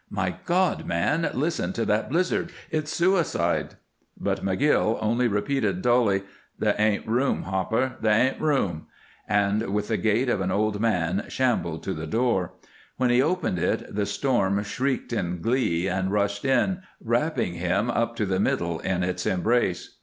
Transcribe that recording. "My God, man, listen to that blizzard! It's suicide!" But McGill only repeated, dully: "There ain't room, Hopper. There ain't room!" and with the gait of an old man shambled to the door. When he opened it the storm shrieked in glee and rushed in, wrapping him up to the middle in its embrace.